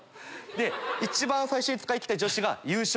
で一番最初に使い切った女子が優勝。